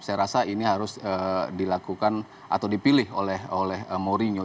saya rasa ini harus dilakukan atau dipilih oleh mourinho